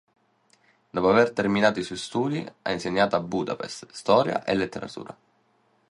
Dopo aver terminato i suoi studi, ha insegnato a Budapest, storia e letteratura.